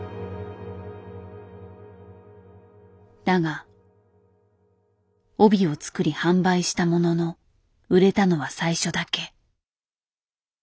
だが帯を作り販売したものの売れたのは最初だけ。